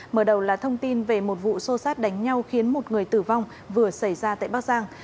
mở đầu là thông tin về một vụ xô xát đánh nhau khiến một người tử vong vừa xảy ra tại bắc giang